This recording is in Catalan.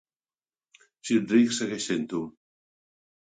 Si ets ric, segueix sent-ho.